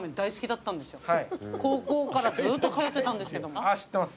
高校からずっと通ってたんですけども。